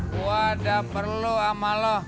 gua udah perlu ama lo